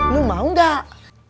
lu mau gak